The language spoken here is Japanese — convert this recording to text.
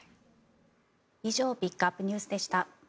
以上ピックアップＮＥＷＳでした。